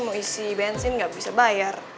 mau isi bensin nggak bisa bayar